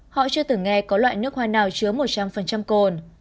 họ chưa từng nghe có loại nước hoa nào chứa một trăm linh cồn